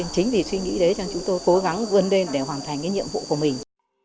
chính vì suy nghĩ đấy chúng tôi cố gắng vươn lên để hoàn thành cái nhiệm vụ của mình